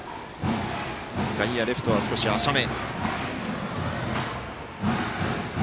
外野、レフトは少し浅め。